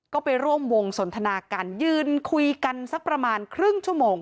ก็ไปร่วมวงสนทนากันยืนคุยกันสักประมาณครึ่งชั่วโมง